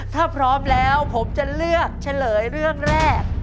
ถ้าพร้อมแล้วผมจะเลือกเฉลยเรื่องแรก